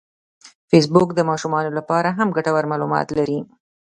فېسبوک د ماشومانو لپاره هم ګټور معلومات لري